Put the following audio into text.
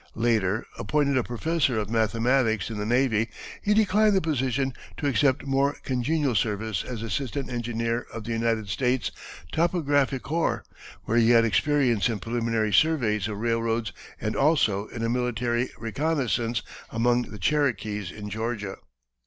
Later, appointed a professor of mathematics in the navy, he declined the position to accept more congenial service as assistant engineer of the United States Topographic Corps, where he had experience in preliminary surveys of railroads and also in a military reconnoissance among the Cherokees in Georgia.